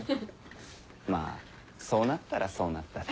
まぁそうなったらそうなったで。